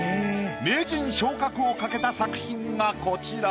名人昇格を懸けた作品がこちら。